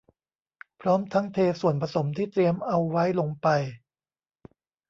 พร้อมทั้งเทส่วนผสมที่เตรียมเอาไว้ลงไป